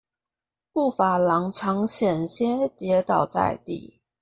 步伐踉蹌險些跌倒在地